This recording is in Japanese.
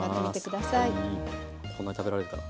こんなに食べられるかな。